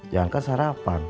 jangan kan sarapan